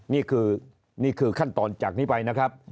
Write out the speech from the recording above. นี่คือขั้นตอนจากนี้ไปนะครับ